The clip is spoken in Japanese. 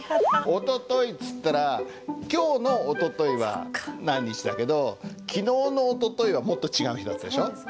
「おととい」っつったら今日のおとといは何日だけどきのうのおとといはもっと違う日だったでしょ。